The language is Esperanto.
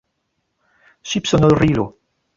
Ŝipsonorilo.